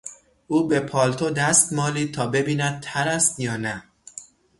او به پالتو دست مالید تا ببیند تر است یا نه.